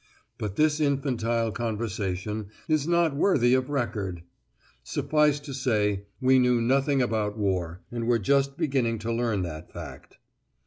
But this infantile conversation is not worthy of record! Suffice to say we knew nothing about war, and were just beginning to learn that fact!